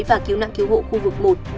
và cứu nạn cứu hộ khu vực một